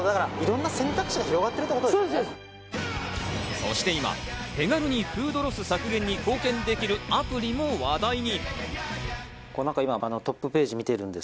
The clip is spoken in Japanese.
そして今、手軽にフードロス削減に貢献できるアプリも話題に。